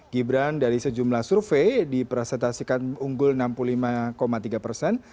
gibran dari sejumlah survei dipresentasikan unggul enam puluh lima tiga persen